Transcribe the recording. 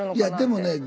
いやでもね